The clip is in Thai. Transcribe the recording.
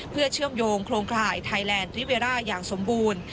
เพื่อเชื่อมโยงโครงข่ายไทยแลนด์ริเวร่าอย่างสมบูรณ์